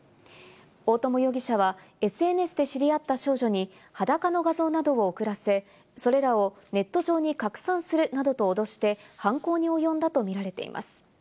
大友容疑者はＳＮＳで知り合った少女に裸の画像などを送らせ、それらをネット上に拡散するなどと脅して犯行に及んだとみられています。